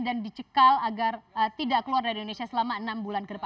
dan dicekal agar tidak keluar dari indonesia selama enam bulan ke depan